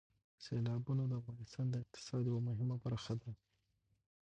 سیلابونه د افغانستان د اقتصاد یوه مهمه برخه ده.